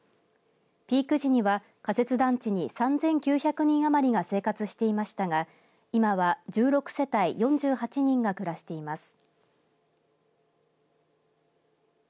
ピーク時には仮設団地に３９００人余りが生活していましたが今は１６世帯４８人が暮らしています。